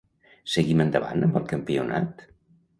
Seguim endavant amb el campionat.